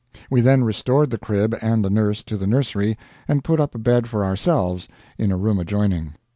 We then restored the crib and the nurse to the nursery and put up a bed for ourselves in a room adjoining.